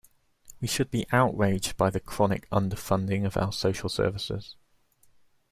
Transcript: We should be outraged by the chronic underfunding of our social services.